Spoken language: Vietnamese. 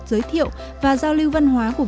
giới thiệu và giao lưu văn hóa của